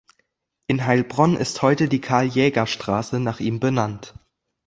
In Heilbronn ist heute die "Karl-Jäger-Straße" nach ihm benannt.